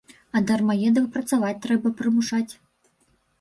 А дармаедаў працаваць трэба прымушаць.